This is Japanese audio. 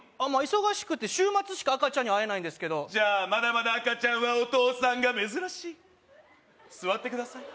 忙しくて週末しか赤ちゃんには会えないんですけどじゃあまだまだ赤ちゃんはお父さんが珍しい座ってください